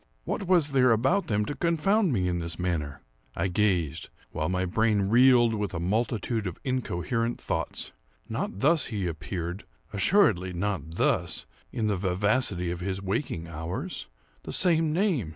What was there about them to confound me in this manner? I gazed;—while my brain reeled with a multitude of incoherent thoughts. Not thus he appeared—assuredly not thus—in the vivacity of his waking hours. The same name!